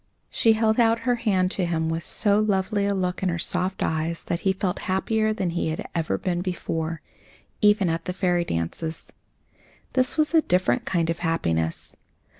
She held out her hand to him with so lovely a look in her soft eyes that he felt happier than he had ever been before, even at the fairy dances. This was a different kind of happiness.